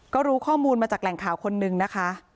ก็รู้ข้อมูลมาจากแหล่งข่าวคนนึงนะคะ